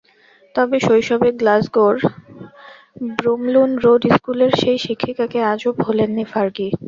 তবে শৈশবে গ্লাসগোর ব্রুমলুন রোড স্কুলের সেই শিক্ষিকাকে আজও ভোলেননি ফার্গি।